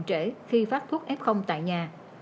trễ khi phát thuốc f tại nhà